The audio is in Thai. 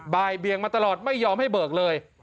เบียงมาตลอดไม่ยอมให้เบิกเลย